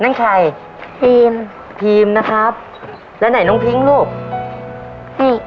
นั่นใครพีมพีมนะครับแล้วไหนน้องพิ้งลูกนี่